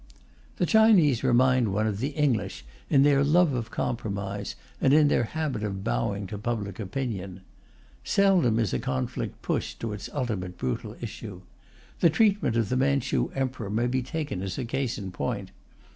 The Chinese remind one of the English in their love of compromise and in their habit of bowing to public opinion. Seldom is a conflict pushed to its ultimate brutal issue. The treatment of the Manchu Emperor may be taken as a case in point.